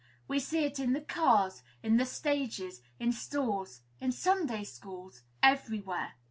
We see it in the cars, in the stages, in stores, in Sunday schools, everywhere.